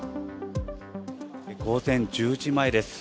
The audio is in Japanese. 午前１０時前です。